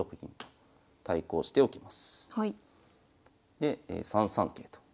で３三桂と。